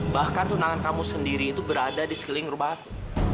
bahkan tunangan kamu sendiri itu berada di sekeliling rumahku